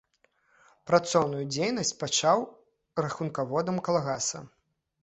Працоўную дзейнасць пачаў рахункаводам калгаса.